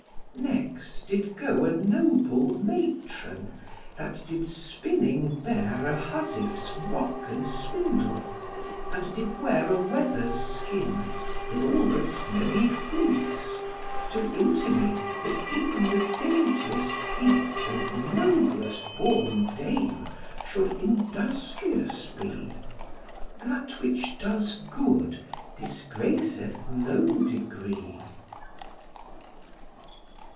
Next, did go A noble matron, that did spinning bear A huswife's rock and spindle, and did wear A wether's skin, with all the snowy fleece, To intimate that even the daintiest piece And noblest born dame should industrious be: That which does good disgraceth no degree.